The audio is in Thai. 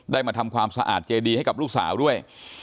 มาทำความสะอาดเจดีให้กับลูกสาวด้วย